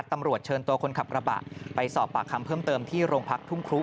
ตำรวจเชิญตัวคนขับกระบะไปสอบปากคำเพิ่มเติมที่โรงพักทุ่งครุ